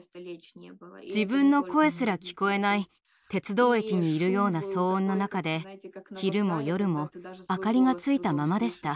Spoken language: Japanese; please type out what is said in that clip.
自分の声すら聞こえない鉄道駅にいるような騒音の中で昼も夜も明かりがついたままでした。